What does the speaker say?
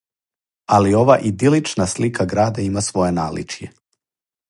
Али ова идилична слика града има своје наличје.